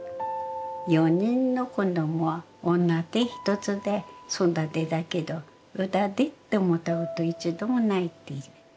４人の子ども女手一つで育てたけどうだでって思ったこと一度もないって。